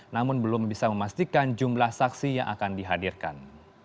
namun belum bisa memastikan jumlah saksi yang akan dihadirkan